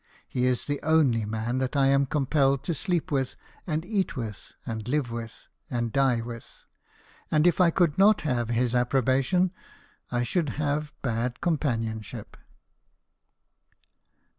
He is the only man that I am compelled to sleep with, and eat with, and live with, and die with ; and if I could not have his approbation I should have bad companionship."